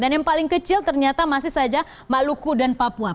dan yang paling kecil ternyata masih saja maluku dan papua